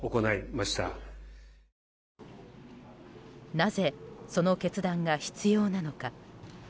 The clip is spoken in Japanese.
なぜその決断が必要なのか。